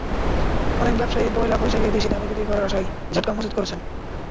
অনেক ব্যবসায়ী পয়লা বৈশাখে বেশি দামে বিক্রি করার আশায় জাটকা মজুত করছেন।